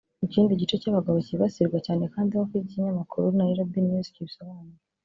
Ikindi gice cy’abagabo kibasirwa cyane kandi nk’uko ikinyamakuru Nairobi News kibisobanura